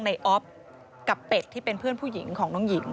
อ๊อฟกับเป็ดที่เป็นเพื่อนผู้หญิงของน้องหญิง